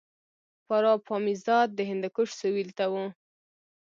پاروپامیزاد د هندوکش سویل ته و